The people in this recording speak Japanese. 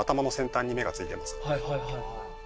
はいはいはいはい。